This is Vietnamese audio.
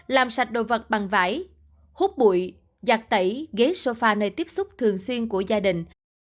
làm sạch đồ vật bằng vải húp bụi giặt tẩy ghế sofa nơi tiếp xúc thường xuyên của gia đình